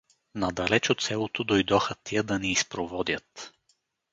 Надалеч от селото дойдоха тия да ни изпроводят.